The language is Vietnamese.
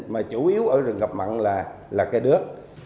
mà chủ yếu ở rừng ngập mặn là cây đước